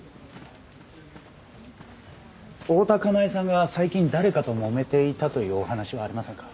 大多香苗さんが最近誰かともめていたというお話はありませんか？